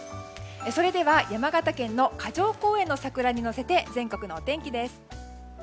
それでは山形県の霞城公園の桜に乗せて全国のお天気です。